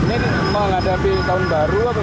ini menghadapi tahun baru apa gimana